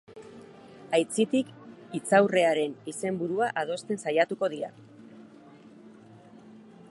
Aitzitik, hitzaurrearen izenburua adosten saiatuko dira.